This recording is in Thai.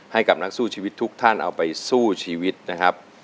ให้กับนักสู้ชีวิตทุกท่านเอาไปสู้ชีวิตนะครับ